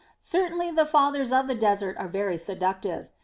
Cer tainly the Fathers of the Desert are very seductive.